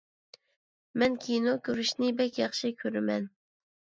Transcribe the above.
مەن كىنو كۆرۈشنى بەك ياخشى كۆرىمەن.